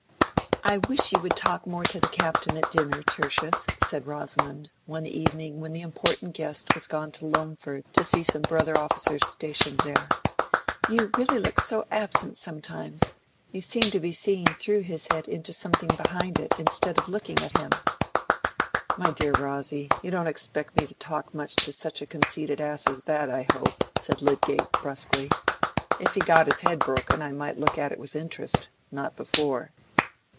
"I wish you would talk more to the Captain at dinner, Tertius," said Rosamond, one evening when the important guest was gone to Loamford to see some brother officers stationed there. "You really look so absent sometimes—you seem to be seeing through his head into something behind it, instead of looking at him." "My dear Rosy, you don't expect me to talk much to such a conceited ass as that, I hope," said Lydgate, brusquely. "If he got his head broken, I might look at it with interest, not before."